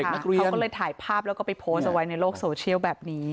เขาก็เลยถ่ายภาพแล้วก็ไปโพสต์เอาไว้ในโลกโซเชียลแบบนี้